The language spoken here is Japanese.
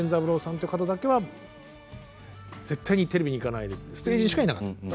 ていう方だけは絶対にテレビにいかないステージしかいなかった。